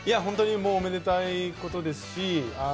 おめでたいことですし。